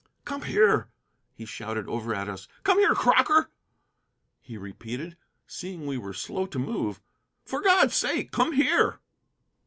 "Come here," he shouted over at us. "Come here, Crocker," he repeated, seeing we were slow to move. "For God's sake, come here!"